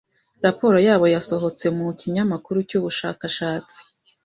Raporo yabo yasohotse mu kinyamakuru cy'ubushakashatsi